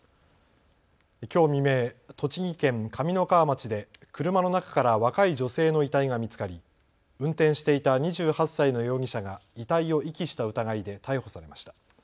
きょう未明、栃木県上三川町で車の中から若い女性の遺体が見つかり、運転していた２８歳の容疑者が遺体を遺棄した疑いで逮捕されました。